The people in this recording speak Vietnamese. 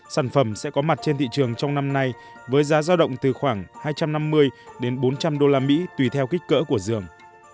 sản phẩm sẽ có mặt trên thị trường trong năm nay với giá giao động từ khoảng hai trăm năm mươi đến bốn trăm linh usd tùy theo kích cỡ của giường